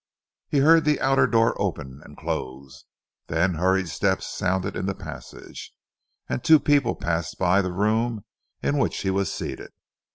He heard the outer door open, and close, then hurried steps sounded in the passage, and two people passed by the room in which he was seated.